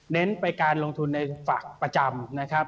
เน้นไปการลงทุนในฝากประจำนะครับ